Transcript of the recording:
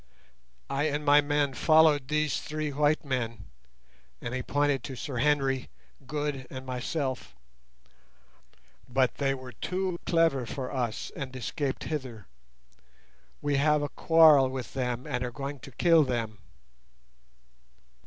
I and my men followed these three white men," and he pointed to Sir Henry, Good, and myself, "but they were too clever for us, and escaped hither. We have a quarrel with them, and are going to kill them."